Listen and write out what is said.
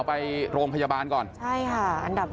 เพื่อนบ้านเจ้าหน้าที่อำรวจกู้ภัย